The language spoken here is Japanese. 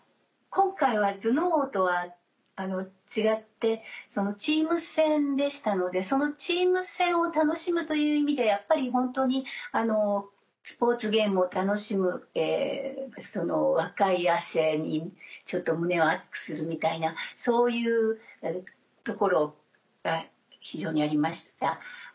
今回は『頭脳王』とは違ってチーム戦でしたのでそのチーム戦を楽しむという意味でやっぱり本当にスポーツゲームを楽しむ若い汗にちょっと胸を熱くするみたいなそういうところが非常にありました。